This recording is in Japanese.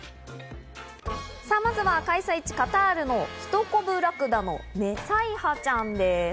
まずは開催地・カタールのヒトコブラクダのメサイハちゃんです。